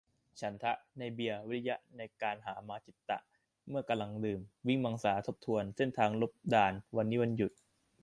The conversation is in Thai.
ฉันทะ-ในเบียร์ วิริยะ-ในการหามา จิตตะ-เมื่อกำลังดื่ม วิมังสา-ทบทวนเส้นทางหลบด่าน วันนี้วันหยุด